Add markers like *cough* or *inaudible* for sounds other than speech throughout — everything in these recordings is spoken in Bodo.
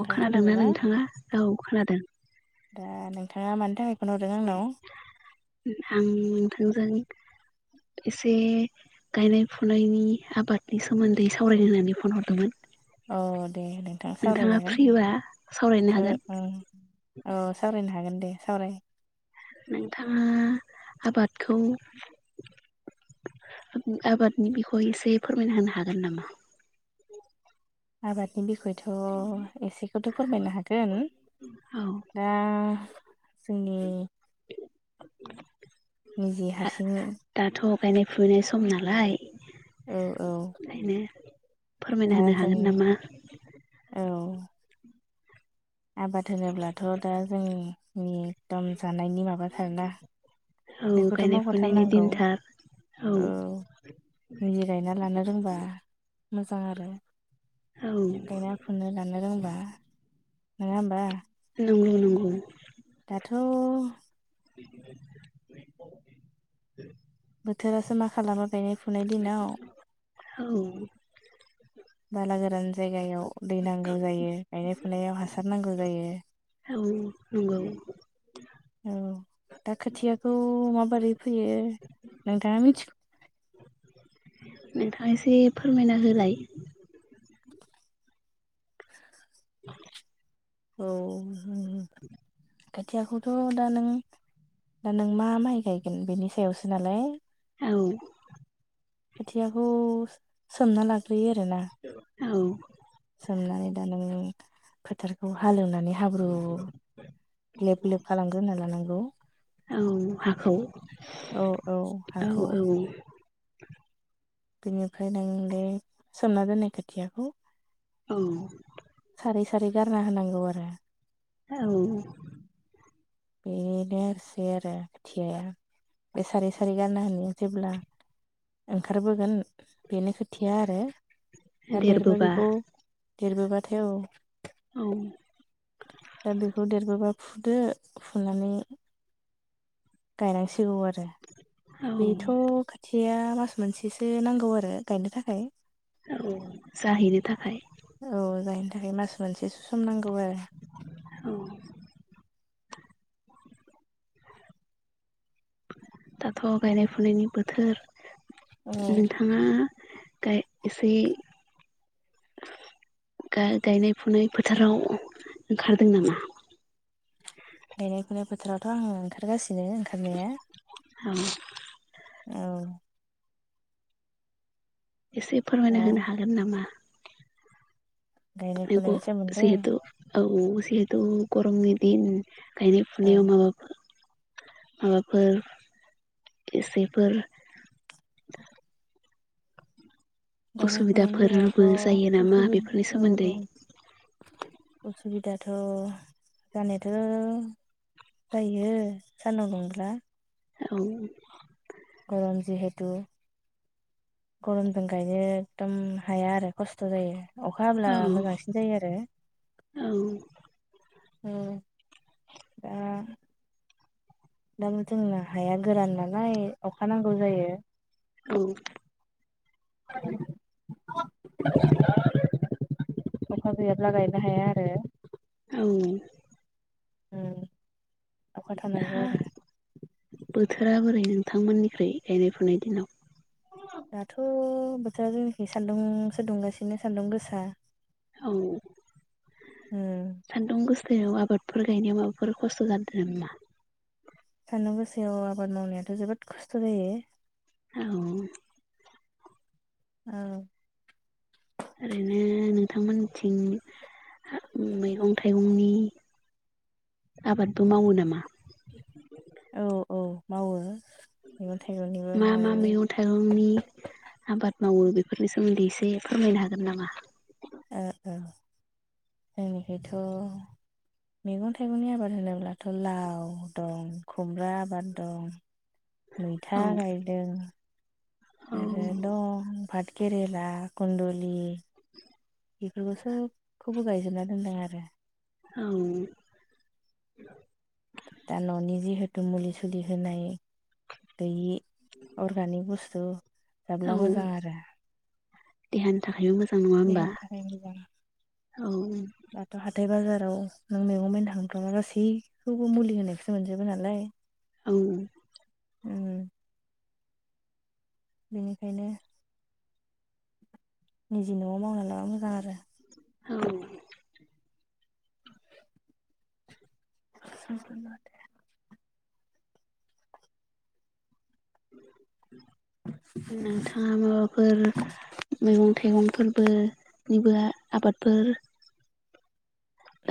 औ खोनादों खोनादोंना ना नोंथाङा राव खोनादों दा नोंथाङा मानि थाखाय फन हरदों आंनाव आं नोंथांजों एसे गायनाय फुनायनि आबादनि सोमोन्दै सावरायनो होननानै फन हरदोंमोन। औ दे नोंथां नोंथाङा सावरायजागोन फ्रिबा सावरायनो ओ हागोन ओ औ सावरायनो हागोन द दे सावराय नोंथाङा आबादखौ आबादनि बिखौ एसे फोरमायना होनो हागोन नामा? आबादनि बिखय थ' एसेखौथ' फोरमायनो हागोन औ दा सिनि निजे हारसिं दाथ' गायनाय फुबैनाय सम नालाय औ औ ओंखायनो दा फोरमायना होनो जों हागोन नामा? औ आबाद होनोब्लाथ' दा जोंनिइ एकदम जानायनि माबाथार ना औ बेखौथ' गायनाय फुनायनि मावहोथारनांगौ दिनथार औ निजि गायना लानो रोंबा मोजां आरो औ गायना फुनो दाननो रोंबा नङा होमबा नंगं नांगौ दाथ' बोथोरासो मा खालामो गायनाय फुनाय दिनाव औ बाला गोदान जायगायाव दै नांगौ जायो गायनाय फुनायाव हासार नांगौ जायो औ नंगौ औ दा खोथियाखौ माबोरै फैयो? नोंथाङा मिथि नोंथाङ एसे फोरमायना होलाय? औ *inaudible* खोथियाखौथ' दा नों दा नों मा माइ गायगोन बेनि सायावसो नालाय औ खोथियाखौ सोमना लाग्रोयो आरोना औ दा नों फोथारखौ हालेवनानै माने हाब्रु ग्लेब ग्लेब खालामग्रोना लानांगौ औ हाखौ औ औ औ हाखौ औ बेनिफ्राय नों दे सोमना दोननाय खोथियाखौ औ सारै सारै गारना होनांगौ आरो औ *inaudible* बे सारै सारै गानना होनो जेब्ला ओंखारबोगोन बेनो खोथिया आरो दा देरबो देरबोबा बेखौ देरबोबाथाय औ दा बेखौ देरबोबा फुदो फुनानै गायनांसिगौ आरो बेथ' खाथिया मास मोनसेसो नांगौ आरो गायनो थाखाय औ जाहैनो थाखाय औ गायनो थाखाय मास मोनसेसो सम नांगौ आरो औ दाथ' गायनाय फुनायनि बोथोर औ नोंथाङा गाय एसे गायनाय फुनाय फोथाराव ओंखारदों नामा? गायनाय फुनाय फोथारावथ' आङो ओंखारगासिनो ओंखारनाया *inaudible* औ एसे फोरमायना दा होनो हागोन नामा? गायनाय फुनायनि *inaudible* सोमोन्दै जिहेथु गरमनि दिन गायनाय औ फुनायाव माबा माबाफोर इसेफोर गायनाय फुनायनि उसुबिदाफोरबो जायो दिनावथ' उस नामा बेफोरनि औ औ सोमोन्दै उसु दाथ' जानायाथ' जायो सानदुं दुंब्ला औ गरम जि जिहेथु गरमजों गायनो एकदम हाया आरो खस्थ' जायो। अखा औ हाब्ला मोजांसिन जायो आरो। औ औ दा दा जोंना हाया गोरान नालाय अखा नांगौ जायो। औ *unintelligible* अखा गैयाब्ला गायनो हाया आरो औ ओं दा बोथोरा बोरै नोंथांमोननिफ्राय गायनाय फुनाय दिनाव? दाथ' बोथोरा जोंनिखि सान्दुं सो सुदुंगासिनो सान्दुं गोसा औ उम सान्दुं गोसोआव आबादफोर गायनायाव माबाफोर खस्थ' जादो नामा? सान्दुं गोसोयाव आबाद मावनायाथ' जोबोद खस्थ' जायो। औ औ ओरैनो नोंथांमोनथिं मैगं थाइगंनि आबादबो मावो नामा? औ औ मावो मैगं थाइगंनिबो मा मा मावो मैगं थाइरगंनि आबाद मावो बेफोरनि सोमोन्दै एसे फोरमायनो हागोन नामा? ओ-ओ औ जोंनिखैथ' मैगं थाइगंनि आबाद होनोब्लाथ' लाव दं खुमब्रा आबाद दं औ मैथा गायदों औ आरो दं फाथ केरेला कुनदुलि *unintelligible* दोनदों आरो औ दा न'नि जिहेथु मुलि सुलि होनाय गैयि अर्गानिक बुस्थु औ जाब्ला मोजां आरो देहानि थाखायबो मोजां नङा होमबा देहानि थाखाय मोजां औ दाथ' हाथाय बाजाराव नों मैगं बाइनो थांबा गासैखौबो मुलि होनायखौसो मोनजोबो नालाय औ उ बेनिखायनो निजि न'आव मावना लाबा मोजां आरो। औ *unintelligible* *inaudible* नोंथाङा माबाफोर मेगं -थाइगंफोरबो *unintelligible* आबादफोर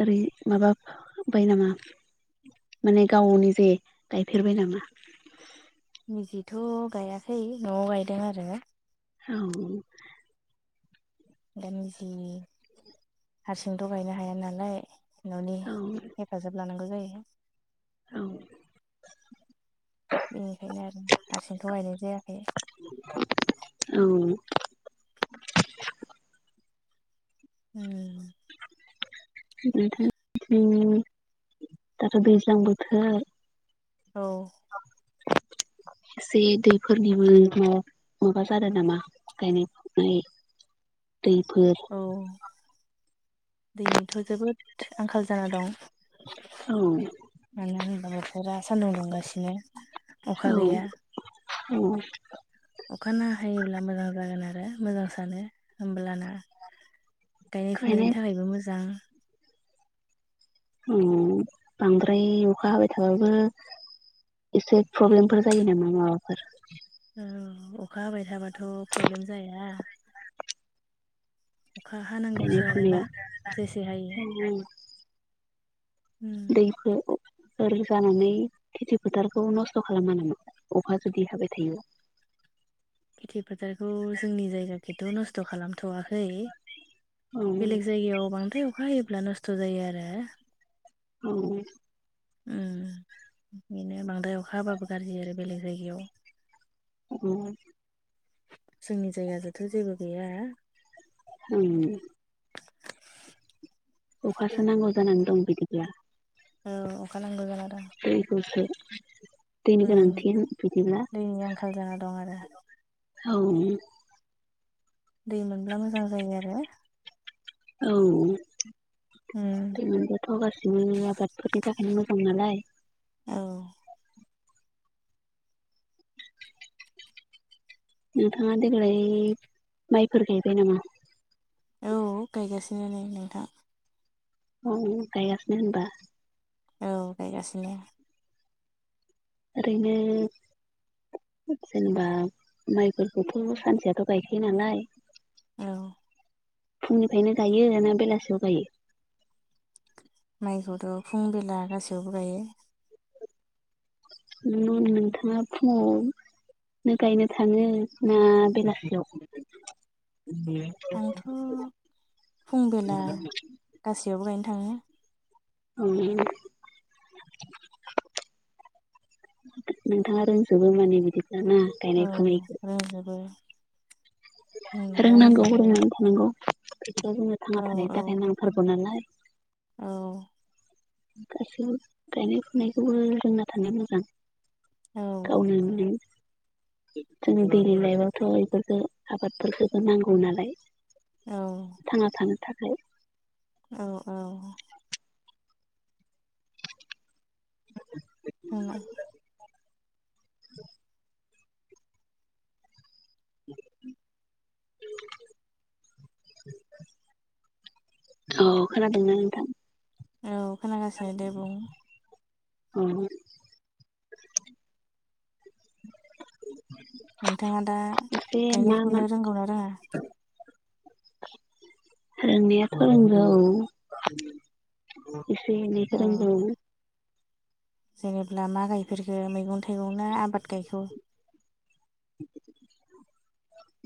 ओैरै माबा बाय नामा? माने गावनि जे गायफेरबाय नामा? निजिथ' गायाखै न'आव गायदों आरो औ दानि जि हारसिंथ' गायनो हाया नालाय न'नि औ हेफाजाब लानांगौ जायो। औ बेनिखायनो आरो हारसिं थ गायनाय जायाखै औ उम *unintelligible* दाथ' दैज्लां बोथोर औ एसे दैफोरनिबो माबा जादो नामा गायनाय-फुनाय दै फोर औ दैनिथ' जोबोद आंखाल जाना दं। औ मानो होनबा बोथोरा सान्दुं दुंगासिनो अखा औ गैया। औ अखा ना हायोब्ला मोजां जागोन आरो मोजां सानो होमब्लाना गायनाय फुनायनि थाखायबो मोजां उम बांद्राय अखा हाबाय थाबाबो एसे प्रब्लेमफोर जायो नामा माबाफोर औ अखा हाबाय थाबाथ' प्रब्लेम जाया अखा हानांगौसो गायनाय आरोना जेसे हायो फुनायाव उम दैखौ ओरै जानानै खेथि फोथारखौ नस्थ' खालामो नामा अखा जुदि हाबाय थायो। खिथ' नस्थ' खालामथ'वाखै औ बेलेग जायगायाव बांद्राय अखा हायो प्ला नोसथ' जायो आरो औ ओम बेनो बांद्राय अखा हाबाबो गाज्रि आरो बेलेग जायगायाव उम सोंनि जायगा जथ' जेबो गैया। उ अखासो नांगौ जानानै दं बिदिब्ला। औ अखा नांगौ जाना दं दैखौसो दैनि उम गोनांथि बिदिब्ला दैनि आंखाल जाना दं आरो औ। दै मोनब्ला मोजां जायो आरो। औ उम दै मोनबाथ' गासिबो आबादफोरनि थाखायनो मोजां नालाय *inaudible* औ नोंथाङा देग्लाय माइफोर गायबाय नामा? औ गायगासिनो नै नोंथां। औ गायगासिनो होनबा औ गायगासिनो। ओरैनो जेनेबा माइफोरखौथ' सानसेयाथ' गायखायो नालाय औ फुंनिफ्रायनो गायो ना बेलासियाव गायो? माइखौथ' फुं बेला गासैआवबो गायो। नु नोंथांङा फुङाव नो गायनो थाङो ना बेलासियाव आंथ' फुं बेला गासैयावबो गायनो थाङो। *unintelligible* *unintelligible* नोंथांङा रोंजोबो माने बिदि *inaudible* दाना गायनाय औ फुनाखौ रोंजोबो रोंनाया रोंनांगौ रोंजोबो रोंनानै थानांगौ बे जोंनो थांना औ थानायनि औ थाखाय नांथारगौ नालाय औ गासैबो गायनाय फुनायखौबो रोंना थानाया मोजां। औ *inaudible* *unintelligible* जोंनि दैलि लाइफआवथ' इफोरखो आबादफोरखौथ' नांगौ नालाय औ थांना थानो थाखाय औ औ रोङा। *inaudible* *unintelligible* अ खोनादोंना नोंथां औ खोनागासिनो दे बुं। ओ नोंथाङा दा एसे गायनो मा मा फुनो रोंगौना रोङा? रोंनायाथ' रोंगौ एसे-एनैखौ औ रोंगौ *unintelligible* जेनेब्ला मा गायफेरखो मैगं थाइगं ना आबाद गायखौ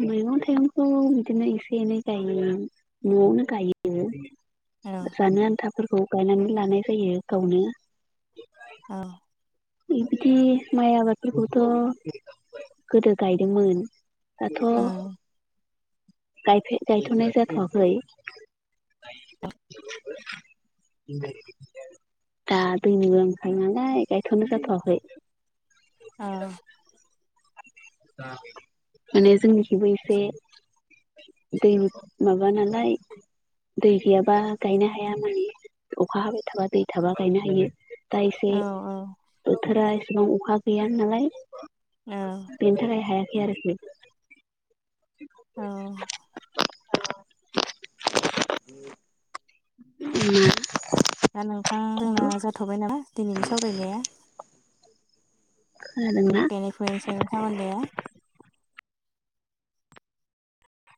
मैगं थाइगंखौ बिदिनो एसे एनै गायो न'आवनो गायो औ जानो आन्थाफोरखौ गायनानै लानाय जायो गावनो। औ बिदि माइ आबादफोरखौथ' गोदो गायदोंमोन। दाथ' औ गायफे गायथ'नाय जाथ'वाखै। दा दैनि *inaudible* नालाय गाय थनो जाथवाखै औ माने जोंनिथिबो एसे दै माबा नालाय दै गैयाबा गायनो हाया माने अखा हाबाय थाबा दै थाबा गायनो हायो दा एसे औ औ बोथोरा एसेबां अखा गैया नालाय बेनि औ थाखाय हायाखै आरोखि औ *unintelligible* दा नोंथां जोंना जाथ'बाय ना दिनैनि सावरायनाया। खोनादोंना *unintelligible*